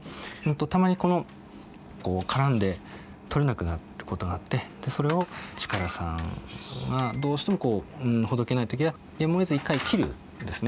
たまにこう絡んで取れなくなることがあってそれを力さんがどうしてもほどけない時はやむをえず一回切るんですね。